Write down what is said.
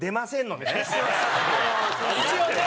一応ね。